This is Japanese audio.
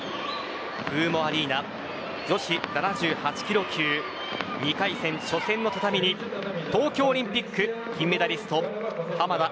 フーモアリーナ女子７８キロ級２回戦、初戦の畳に東京オリンピック金メダリスト濱田